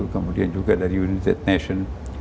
kemudian juga dari united nation